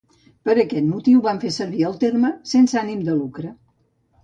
Per aquest motiu, vam fer servir el terme "sense ànim de lucre".